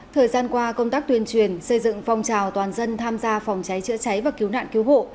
thời gian qua công tác tuyên truyền xây dựng phong trào toàn dân tham gia phòng cháy chữa cháy và cứu nạn cứu hộ